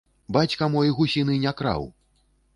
Бацька мой гусіны не краў.